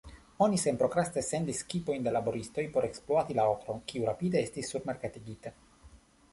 Oni senprokraste sendis skipojn da laboristoj por ekspluati la okron, kiu rapide estis surmerkatigita.